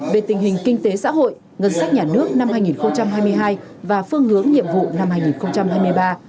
về tình hình kinh tế xã hội ngân sách nhà nước năm hai nghìn hai mươi hai và phương hướng nhiệm vụ năm hai nghìn hai mươi ba